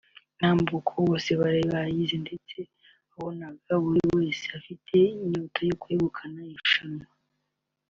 intambuko bose bari bayizi ndetse wabonaga buri wese afite inyota yo kwegukana irushanwa